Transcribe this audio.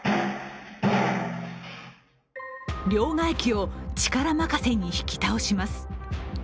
両替機を力任せに引き倒します。